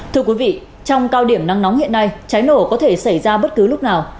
thưa quý vị trong cao điểm nắng nóng hiện nay cháy nổ có thể xảy ra bất cứ lúc nào